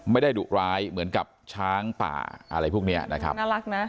ไม่ได้ดุร้ายเหมือนกับช้างป่าอะไรพวกนี้นะครับ